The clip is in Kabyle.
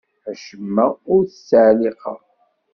Acemma ur t-ttɛelliqeɣ.